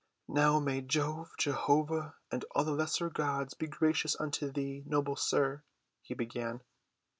"Now may Jove, Jehovah, and all lesser gods be gracious unto thee, noble sir," he began.